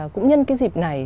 cũng nhân cái dịp này